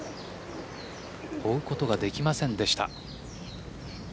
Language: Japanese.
追うことができませんでした。